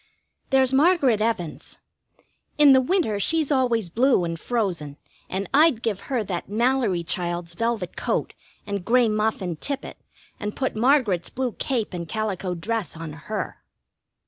There's Margaret Evans. In the winter she's always blue and frozen, and I'd give her that Mallory child's velvet coat and gray muff and tippet, and put Margaret's blue cape and calico dress on her.